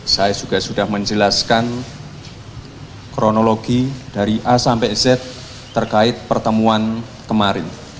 saya juga sudah menjelaskan kronologi dari a sampai z terkait pertemuan kemarin